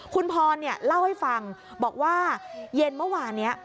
คุณพรเล่าให้ฟังบอกว่าเย็นเมื่อวานนี้